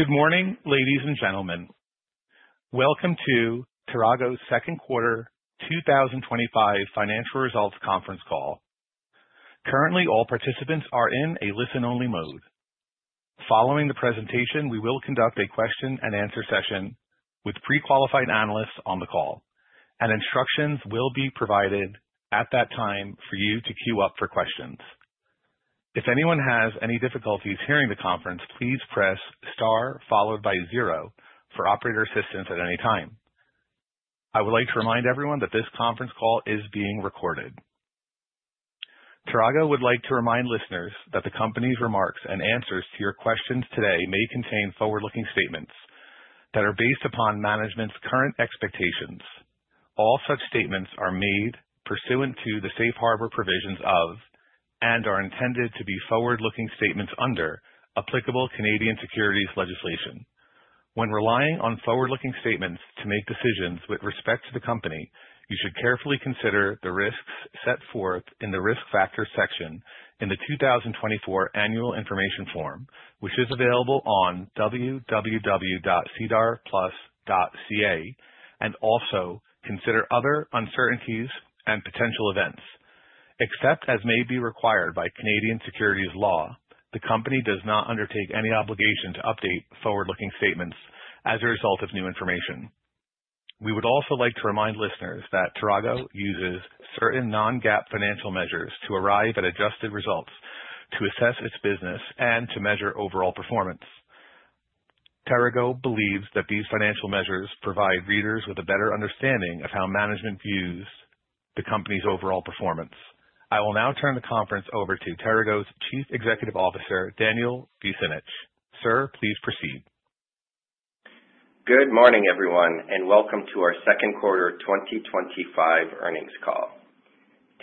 Good morning, ladies and gentlemen. Welcome to TERAGO's Second Quarter 2025 Financial Results Conference Call. Currently, all participants are in a listen-only mode. Following the presentation, we will conduct a question and answer session with pre-qualified analysts on the call, and instructions will be provided at that time for you to queue up for questions. If anyone has any difficulties hearing the conference, please press star followed by zero for operator assistance at any time. I would like to remind everyone that this conference call is being recorded. TERAGO would like to remind listeners that the company's remarks and answers to your questions today may contain forward-looking statements that are based upon management's current expectations. All such statements are made pursuant to the Safe Harbor provisions of and are intended to be forward-looking statements under applicable Canadian securities legislation. When relying on forward-looking statements to make decisions with respect to the company, you should carefully consider the risks set forth in the risk factors section in the 2024 annual information form, which is available on www.cdarplus.ca, and also consider other uncertainties and potential events. Except as may be required by Canadian securities law, the company does not undertake any obligation to update forward-looking statements as a result of new information. We would also like to remind listeners that TERAGO uses certain non-GAAP financial measures to arrive at adjusted results to assess its business and to measure overall performance. TERAGO believes that these financial measures provide readers with a better understanding of how management views the company's overall performance. I will now turn the conference over to TERAGO's Chief Executive Officer, Daniel Vucinic. Sir, please proceed. Good morning, everyone, and welcome to our second quarter 2025 earnings call.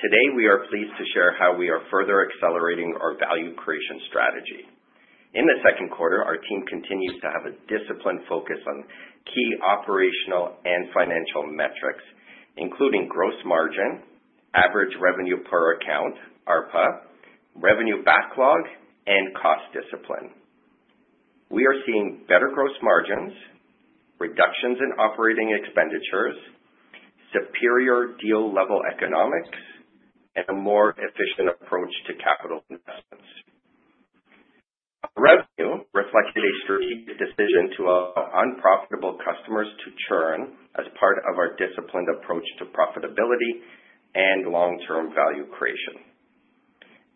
Today, we are pleased to share how we are further accelerating our value creation strategy. In the second quarter, our team continues to have a disciplined focus on key operational and financial metrics, including gross margin, average revenue per account, ARPA, revenue backlog, and cost discipline. We are seeing better gross margins, reductions in operating expenditures, superior deal-level economics, and a more efficient approach to capital investments. Revenue reflected a strategic decision to allow unprofitable customers to churn as part of our disciplined approach to profitability and long-term value creation.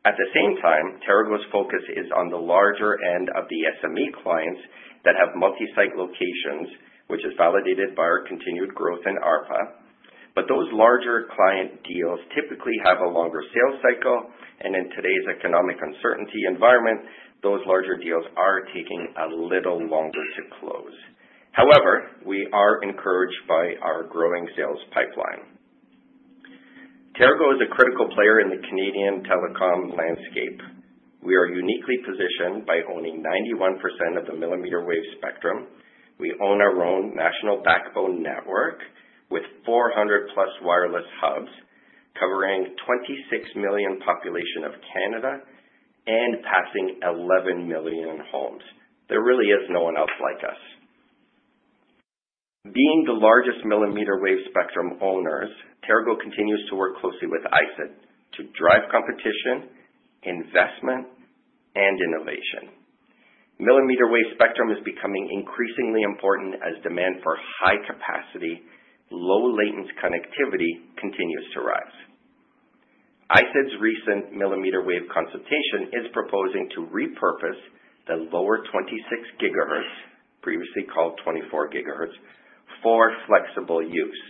At the same time, TERAGO's focus is on the larger end of the SME clients that have multi-site locations, which is validated by our continued growth in ARPA. Those larger client deals typically have a longer sales cycle, and in today's economic uncertainty environment, those larger deals are taking a little longer to close. However, we are encouraged by our growing sales pipeline. TERAGO is a critical player in the Canadian telecom landscape. We are uniquely positioned by owning 91% of the millimeter wave spectrum. We own our own national backbone network with 400+ wireless hubs, covering 26 million population of Canada and passing 11 million homes. There really is no one else like us. Being the largest millimeter wave spectrum owners, TERAGO continues to work closely with ISED to drive competition, investment, and innovation. Millimeter wave spectrum is becoming increasingly important as demand for high-capacity, low-latency connectivity continues to rise. ISED's recent millimeter wave consultation is proposing to repurpose the lower 26 GHz, previously called 24 GHz, for flexible use.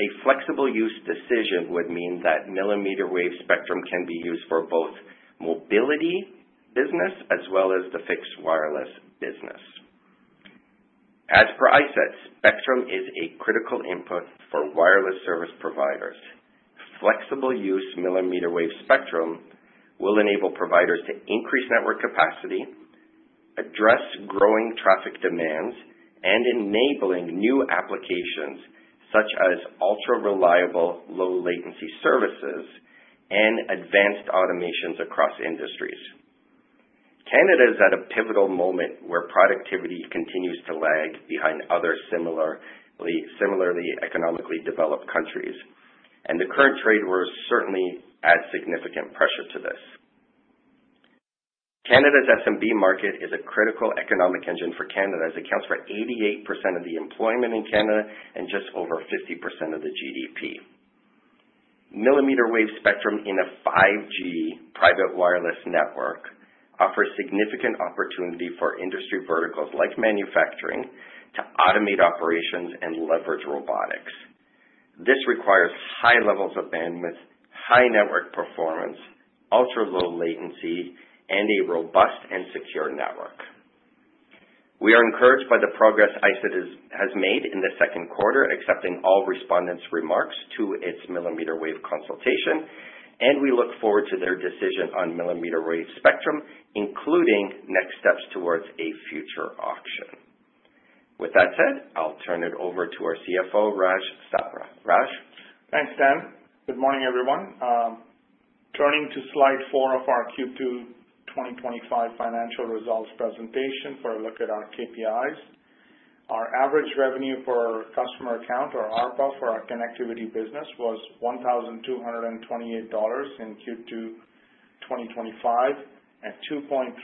A flexible use decision would mean that millimeter wave spectrum can be used for both mobility business as well as the fixed wireless business. As per ISED, spectrum is a critical input for wireless service providers. Flexible use millimeter wave spectrum will enable providers to increase network capacity, address growing traffic demands, and enable new applications such as ultra-reliable low-latency services and advanced automations across industries. Canada is at a pivotal moment where productivity continues to lag behind other similarly economically developed countries, and the current trade wars certainly add significant pressure to this. Canada's SMB market is a critical economic engine for Canada as it accounts for 88% of the employment in Canada and just over 50% of the GDP. Millimeter wave spectrum in a 5G private wireless network offers significant opportunity for industry verticals like manufacturing to automate operations and leverage robotics. This requires high levels of bandwidth, high network performance, ultra-low latency, and a robust and secure network. We are encouraged by the progress ISED has made in the second quarter, accepting all respondents' remarks to its millimeter wave consultation, and we look forward to their decision on millimeter wave spectrum, including next steps towards a future auction. With that said, I'll turn it over to our CFO, Raj Sapra. Raj. Thanks, Dan. Good morning, everyone. Turning to slide four of our Q2 2025 financial results presentation for a look at our KPIs. Our average revenue per customer account or ARPA for our connectivity business was 1,228 dollars in Q2 2025, a 2.3%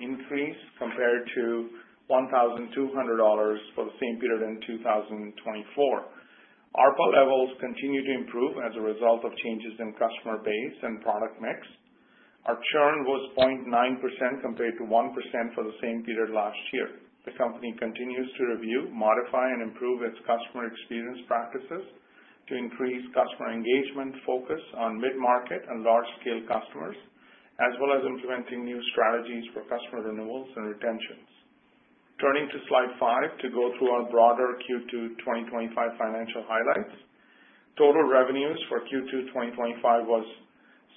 increase compared to 1,200 dollars for the same period in 2024. ARPA levels continue to improve as a result of changes in customer base and product mix. Our churn was 0.9% compared to 1% for the same period last year. The company continues to review, modify, and improve its customer experience practices to increase customer engagement, focus on mid-market and large-scale customers, as well as implementing new strategies for customer renewals and retentions. Turning to slide five to go through our broader Q2 2025 financial highlights. Total revenues for Q2 2025 were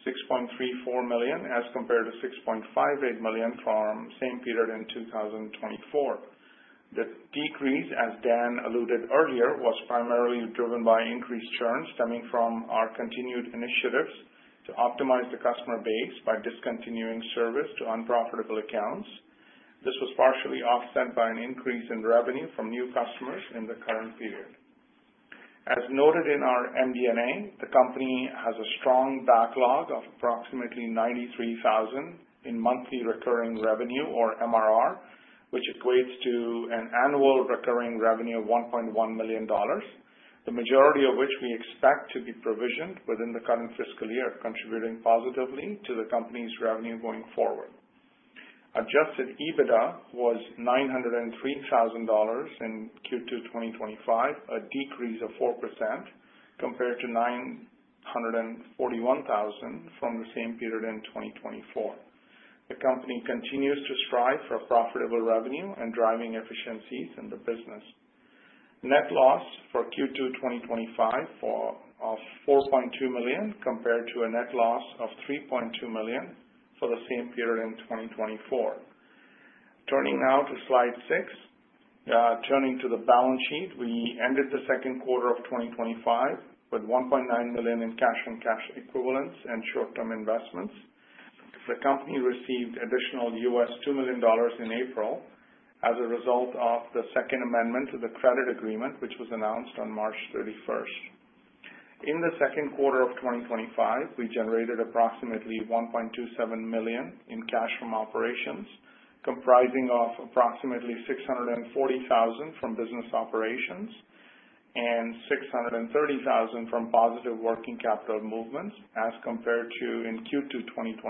6.34 million as compared to 6.58 million from the same period in 2024. The decrease, as Dan alluded earlier, was primarily driven by increased churn stemming from our continued initiatives to optimize the customer base by discontinuing service to unprofitable accounts. This was partially offset by an increase in revenue from new customers in the current period. As noted in our MD&A, the company has a strong backlog of approximately 93,000 in monthly recurring revenue or MRR, which equates to an annual recurring revenue of 1.1 million dollars, the majority of which we expect to be provisioned within the current fiscal year, contributing positively to the company's revenue going forward. Adjusted EBITDA was 903,000 dollars in Q2 2025, a decrease of 4% compared to 941,000 from the same period in 2024. The company continues to strive for profitable revenue and driving efficiencies in the business. Net loss for Q2 2025 was 4.2 million compared to a net loss of 3.2 million for the same period in 2024. Turning now to slide six, turning to the balance sheet, we ended the second quarter of 2025 with 1.9 million in cash and cash equivalents and short-term investments. The company received additional $2 million in April as a result of the Second Amendment to the Credit Agreement, which was announced on March 31. In the second quarter of 2025, we generated approximately 1.27 million in cash from operations, comprising of approximately 640,000 from business operations and 630,000 from positive working capital movements. As compared to in Q2 2024,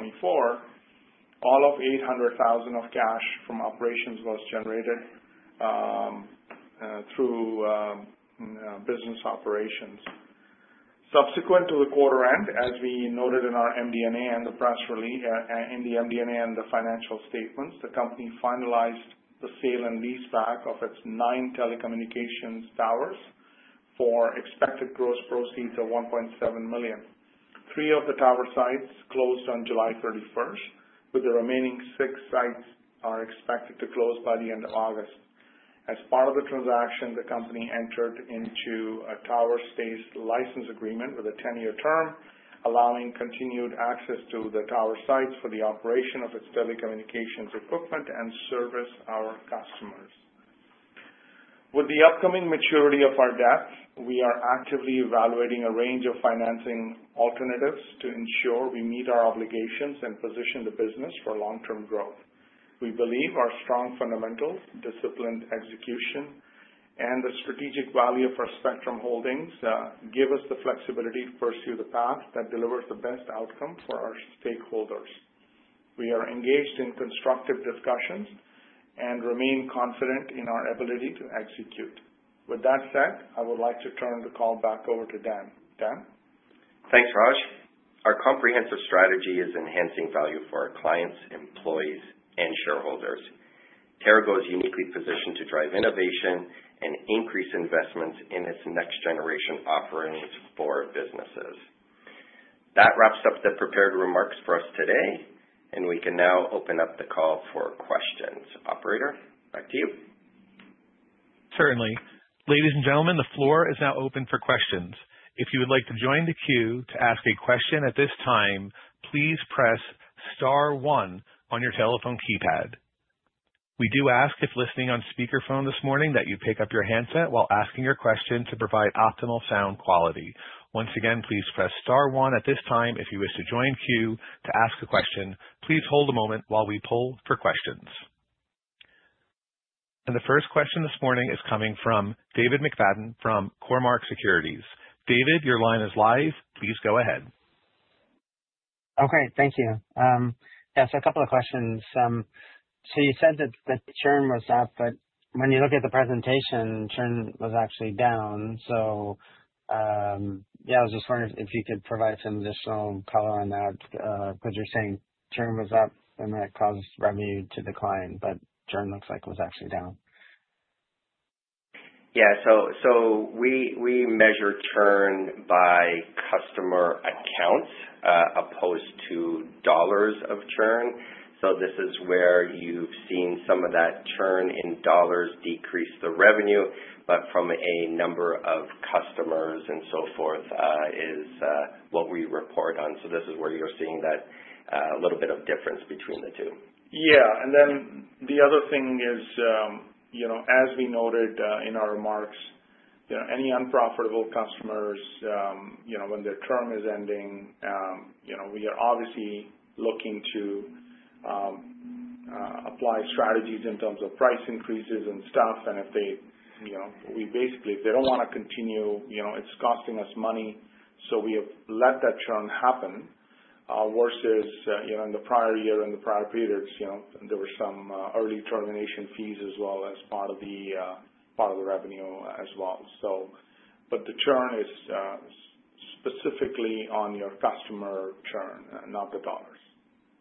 all of 800,000 of cash from operations was generated through business operations. Subsequent to the quarter end, as we noted in our MD&A and the press release, in the MD&A and the financial statements, the company finalized the sale and leaseback of its nine telecommunications towers for expected gross proceeds of 1.7 million. Three of the tower sites closed on July 31, with the remaining six sites expected to close by the end of August. As part of the transaction, the company entered into a tower space license agreement with a 10-year term, allowing continued access to the tower sites for the operation of its telecommunications equipment and service our customers. With the upcoming maturity of our debt, we are actively evaluating a range of financing alternatives to ensure we meet our obligations and position the business for long-term growth. We believe our strong fundamentals, disciplined execution, and the strategic value of our spectrum holdings give us the flexibility to pursue the path that delivers the best outcome for our stakeholders. We are engaged in constructive discussions and remain confident in our ability to execute. With that said, I would like to turn the call back over to Dan. Dan. Thanks, Raj. Our comprehensive strategy is enhancing value for our clients, employees, and shareholders. TERAGO is uniquely positioned to drive innovation and increase investments in its next-generation offerings for businesses. That wraps up the prepared remarks for us today, and we can now open up the call for questions. Operator, back to you. Certainly. Ladies and gentlemen, the floor is now open for questions. If you would like to join the queue to ask a question at this time, please press star one on your telephone keypad. We do ask if listening on speakerphone this morning that you pick up your handset while asking your question to provide optimal sound quality. Once again, please press star one at this time if you wish to join the queue to ask a question. Please hold a moment while we pull for questions. The first question this morning is coming from David McFagden from Cormark Securities. David, your line is live. Please go ahead. Okay, thank you. Yes, a couple of questions. You said that the churn was up, but when you look at the presentation, churn was actually down. I was just wondering if you could provide some additional color on that, because you're saying churn was up and that caused revenue to decline, but churn looks like it was actually down. Yeah, we measure churn by customer accounts, as opposed to dollars of churn. This is where you've seen some of that churn in dollars decrease the revenue, but from a number of customers and so forth, is what we report on. This is where you're seeing that little bit of difference between the two. Yeah, and then the other thing is, you know, as we noted in our remarks, any unprofitable customers, you know, when their term is ending, we are obviously looking to apply strategies in terms of price increases and stuff. If they don't want to continue, you know, it's costing us money. We have let that churn happen, versus in the prior year, in the prior period, there were some early termination fees as well as part of the revenue as well. The churn is specifically on your customer churn, not the dollars.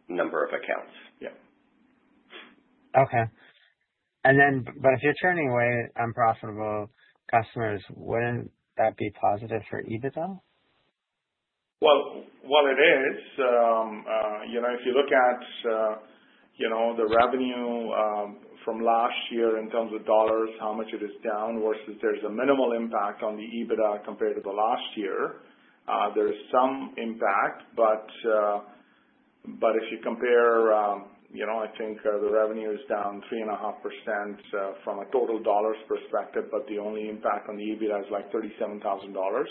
Number of accounts. Yeah. Okay. If you're churning away unprofitable customers, wouldn't that be positive for EBITDA? If you look at the revenue from last year in terms of dollars, how much it is down versus there's a minimal impact on the EBITDA compared to last year. There is some impact, but if you compare, I think the revenue is down 3.5% from a total dollars perspective, but the only impact on the EBITDA is like 37,000 dollars.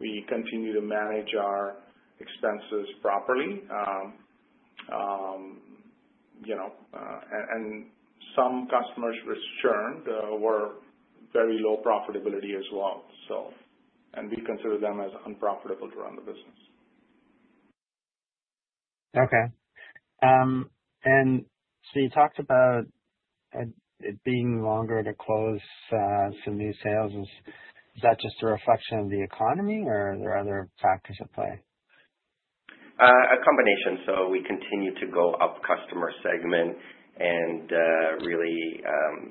We continue to manage our expenses properly, and some customers with churn were very low profitability as well. We consider them as unprofitable to run the business. Okay, and you talked about it being longer to close some new sales. Is that just a reflection of the economy, or are there other factors at play? A combination. We continue to go up customer segment and really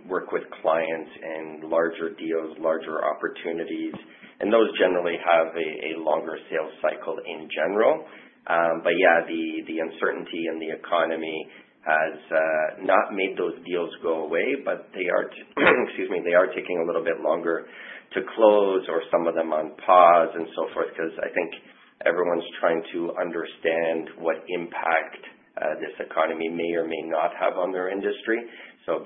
work with clients in larger deals, larger opportunities, and those generally have a longer sales cycle in general. The uncertainty in the economy has not made those deals go away, but they are taking a little bit longer to close or some of them are on pause and so forth because I think everyone's trying to understand what impact this economy may or may not have on their industry.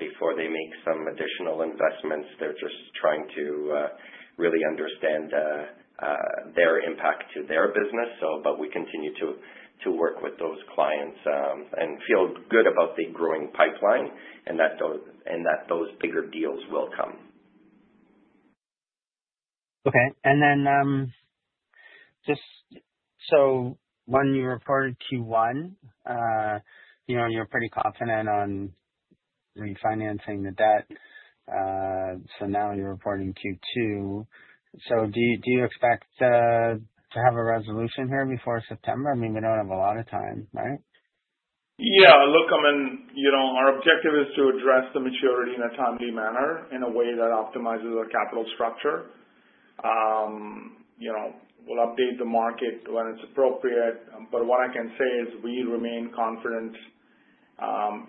Before they make some additional investments, they're just trying to really understand their impact to their business. We continue to work with those clients and feel good about the growing pipeline and that those bigger deals will come. Okay. Just so when you reported Q1, you know, you're pretty confident on refinancing the debt. Now you're reporting Q2. Do you expect to have a resolution here before September? I mean, we don't have a lot of time, right? Yeah, look, I mean, our objective is to address the maturity in a timely manner in a way that optimizes our capital structure. We'll update the market when it's appropriate. What I can say is we remain confident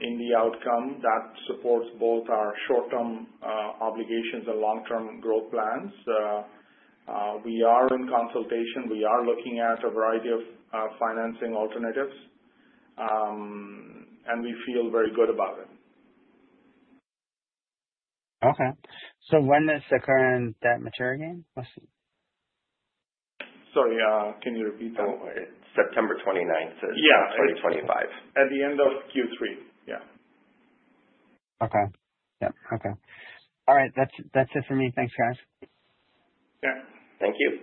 in the outcome that supports both our short-term obligations and long-term growth plans. We are in consultation. We are looking at a variety of financing alternatives, and we feel very good about it. Okay, when is the current debt maturing? Sorry, can you repeat that? It's September 29, 2025. At the end of Q3, yeah. Okay. All right. That's it for me. Thanks, guys. Yeah. Thank you.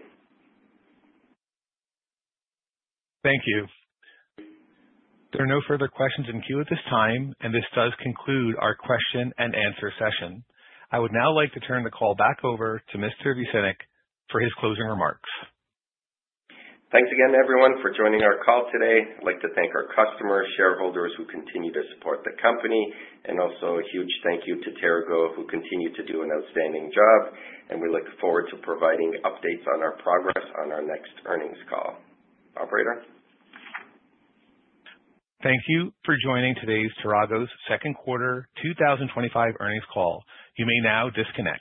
Thank you. There are no further questions in queue at this time, and this does conclude our question and answer session. I would now like to turn the call back over to Mr. Vucinic for his closing remarks. Thanks again, everyone, for joining our call today. I'd like to thank our customers and shareholders who continue to support the company, and also a huge thank you to TERAGO, who continues to do an outstanding job. We look forward to providing updates on our progress on our next earnings call. Operator? Thank you for joining today's TERAGO Second Quarter 2025 Earnings Call. You may now disconnect.